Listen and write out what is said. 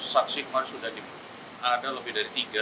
saksi kemarin sudah ada lebih dari tiga